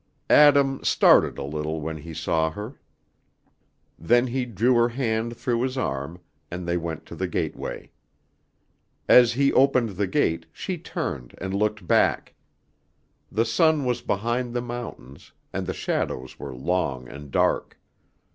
Adam started a little when he saw her. Then he drew her hand through his arm, and they went to the gateway. As he opened the gate she turned and looked back. The sun was behind the mountains, and the shadows were long and dark.